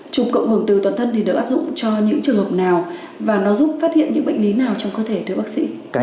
trục cộng hồn từ toàn thân thì được áp dụng cho những trường hợp nào và nó giúp phát hiện những bệnh lý nào trong cơ thể đối với bác sĩ